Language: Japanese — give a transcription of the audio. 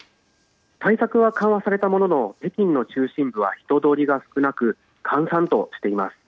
対策は緩和されたものの北京の中心部は人通りが少なく閑散としています。